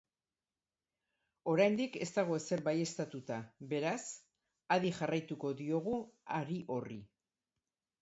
Oraindik ez dago ezer baieztatuta, beraz, adi jarraituko diogu hari horri.